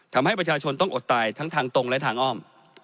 ทำให้ประชาชนต้องอดตายทั้งทางตรงและทางอ้อม